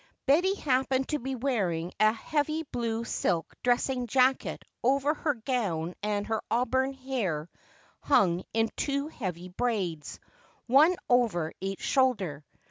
Betty happened to be wearing a heavy blue silk dressing jacket over her gown and her auburn hair hung in two heavy braids, one over each shoulder.